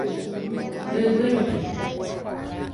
Yvy rupi.